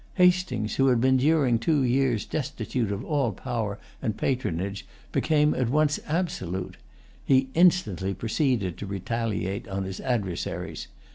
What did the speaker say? Hastings, who had been during two years destitute of all power and patronage, became at once absolute. He instantly proceeded to retaliate on his adversaries.